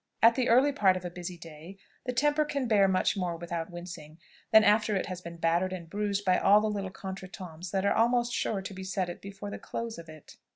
At the early part of a busy day, the temper can bear much more without wincing, than after it has been battered and bruised by all the little contretems that are almost sure to beset it before the close of it.